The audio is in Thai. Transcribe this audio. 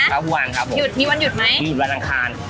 ประหว่างครับผมหยุดมีวันหยุดไหมหยุดวันอังคาร